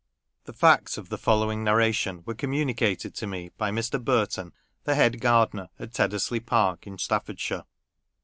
THE facts of the following narration were communicated to me by Mr. Burton, the head gardener at Teddesley Park, in Stafford shire.